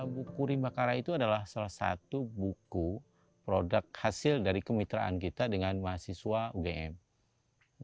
buku rimbakara itu adalah salah satu buku produk hasil dari kemitraan kita dengan mahasiswa ugm